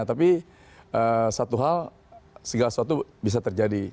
tapi satu hal segala sesuatu bisa terjadi